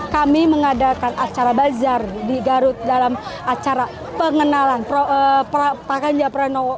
kami mengadakan acara bazar di garut dalam acara pengenalan pak ganjar pranowo